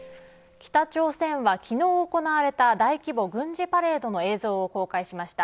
北朝鮮は昨日行われた大規模軍事パレードの映像を公開しました。